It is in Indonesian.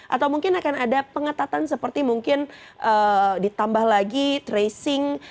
atau mungkin akan ada pengetatan seperti mungkin ditambah lagi tracing